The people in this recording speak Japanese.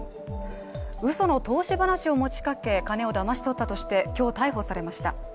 うその投資話を持ちかけ金をだまし取ったとして今日逮捕されました。